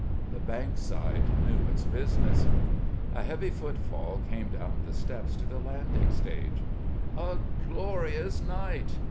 The Bankside knew its business. A heavy footfall came down the steps to the landing stage. "A glorious night!"